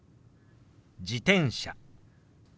「自転車」。